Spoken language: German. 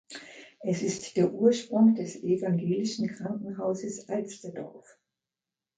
Es ist der Ursprung des Evangelischen Krankenhauses Alsterdorf.